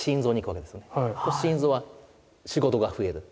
心臓は仕事が増える。